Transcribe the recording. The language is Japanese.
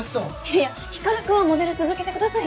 いや光君はモデル続けてくださいよ。